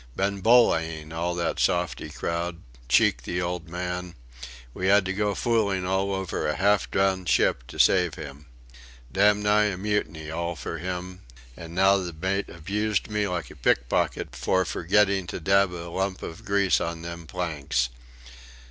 Been bullying all that softy crowd cheeked the old man we had to go fooling all over a half drowned ship to save him. Dam' nigh a mutiny all for him and now the mate abused me like a pickpocket for forgetting to dab a lump of grease on them planks.